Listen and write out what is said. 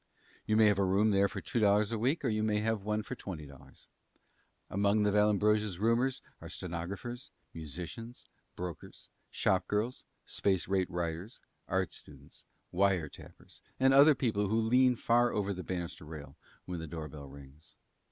You may have a room there for two dollars a week or you may have one for twenty dollars. Among the Vallambrosa's roomers are stenographers, musicians, brokers, shop girls, space rate writers, art students, wire tappers, and other people who lean far over the banister rail when the door bell rings.